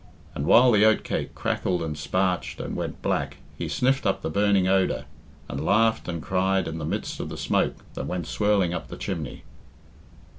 And while the oatcake crackled and sparched and went black, he sniffed up the burning odour, and laughed and cried in the midst of the smoke that went swirling up the chimney.